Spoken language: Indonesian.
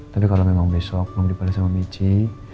tapi kalo memang besok mau dipalas sama mici